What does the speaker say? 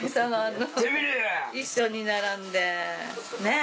一緒に並んでねぇ。